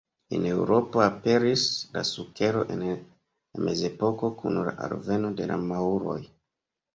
En Eŭropo aperis la sukero en la Mezepoko kun la alveno de la maŭroj.